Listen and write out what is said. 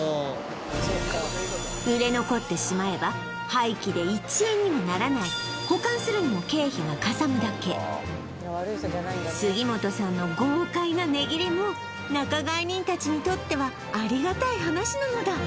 このやっぱりで１円にもならない保管するにも経費がかさむだけ杉本さんの豪快な値切りも仲買人たちにとってはありがたい話なのだ